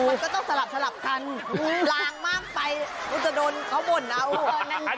มันก็ต้องสลับกันลางมากไปกูจะโดนเขาบ่นเอา